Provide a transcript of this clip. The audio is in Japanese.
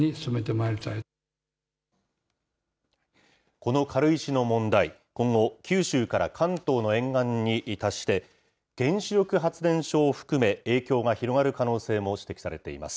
この軽石の問題、今後、九州から関東の沿岸に達して、原子力発電所を含め、影響が広がる可能性も指摘されています。